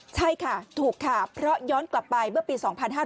ใช่ค่ะถูกค่ะเพราะย้อนกลับไปเมื่อปี๒๕๕๙